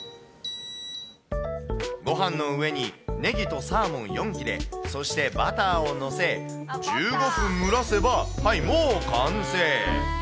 ごはんの上に、ねぎとサーモン４切れ、そしてバターを載せ、１５分蒸らせば、もう完成。